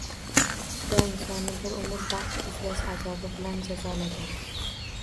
Xudo insonni bir umr baxt izlash azobi bilan jazolagan.